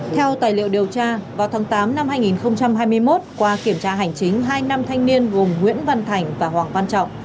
theo tài liệu điều tra vào tháng tám năm hai nghìn hai mươi một qua kiểm tra hành chính hai nam thanh niên gồm nguyễn văn thành và hoàng văn trọng